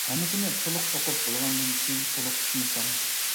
ھەممىسىنى تولۇق ئوقۇپ بولغاندىن كېيىن تولۇق چۈشىنىسەن.